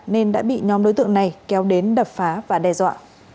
nên đã bị nhóm đối tượng này kéo đến đập phá và đe dọa